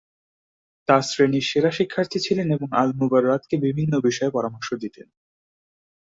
তার শ্রেণির সেরা শিক্ষার্থী ছিলেন এবং আল-মুবাররাদকে বিভিন্ন বিষয়ে পরামর্শ দিতেন।